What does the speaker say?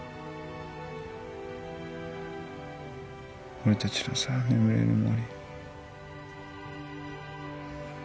俺たちのさ「眠れる森」。